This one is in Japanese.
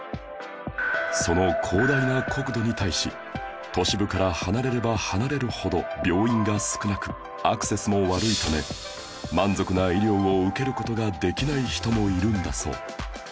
その広大な国土に対し都市部から離れれば離れるほど病院が少なくアクセスも悪いため満足な医療を受ける事ができない人もいるんだそう